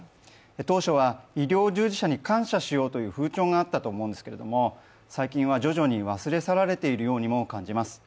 当初は医療従事者に感謝しようという風潮があったと思うんですけれども、最近は徐々に忘れ去られているようにも感じます。